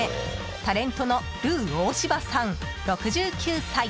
タレントのルー大柴さん、６９歳。